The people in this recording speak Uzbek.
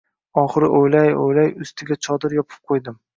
Oxiri o‘ylay-o‘ylay, ustiga chodir yopib qo‘ydim.